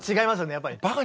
やっぱり。